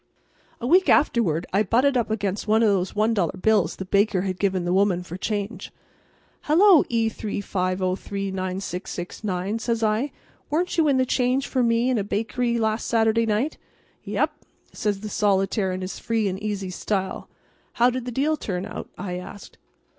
A week afterward I butted up against one of the one dollar bills the baker had given the woman for change. "Hallo, E35039669," says I, "weren't you in the change for me in a bakery last Saturday night?" "Yep," says the solitaire in his free and easy style. "How did the deal turn out?" I asked.